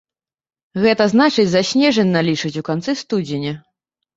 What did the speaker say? Гэта значыць, за снежань налічаць у канцы студзеня.